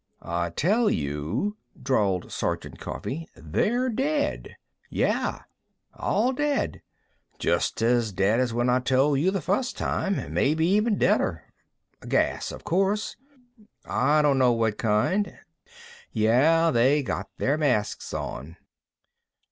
"I tell you," drawled Sergeant Coffee, "they're dead.... Yeah, all dead. Just as dead as when I told you the firs' time, maybe even deader.... Gas, o'course. I don't know what kind.... Yeh. They got their masks on."